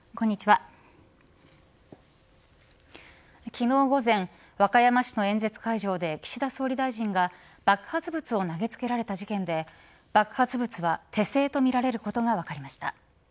昨日午前、和歌山市の演説会場で岸田総理大臣が爆発物を投げつけられた事件で爆発物は手製とみられることが分かりました。